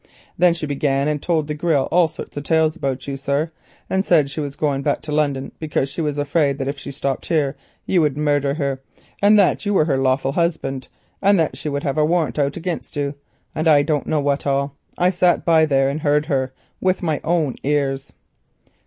Then she began and told the girl all sorts of tales about you, sir—said she was going back to London because she was afraid that if she stopped here you would murder her—and that you were her lawful husband, and she would have a warrant out against you, and I don't know what all. I sat by and heard her with my own ears."